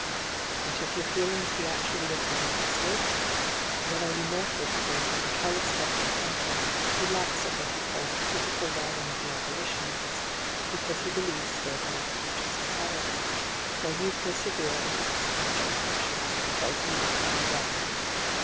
But if your feelings be actually re pugnant to slavery, then are you more culpable than the callous hearted planter, who laughs at what he calls the pitiful whining of the abolitionists, because he be lieves slavery to be justifiable ; while you persevere in a system which your conscience tells you to be wrong.